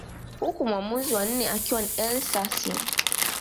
Huku mwamuzi wa nne akiwa ni Elly Sasii